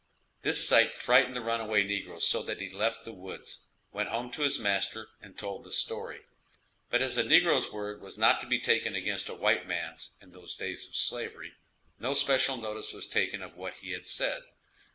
This sight frightened the runaway negro so, that he left the woods, went home to his master and told the story; but as a negro's word was not to be taken against a white man's in the days of slavery, no special notice was taken of what he had said.